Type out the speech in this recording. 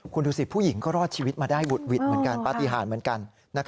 คุณดูสิผู้หญิงก็รอดชีวิตมาได้บุดหวิดเหมือนกันปฏิหารเหมือนกัน